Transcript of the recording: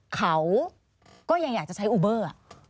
เขาก็ยังอยากจะใช้อูเบอร์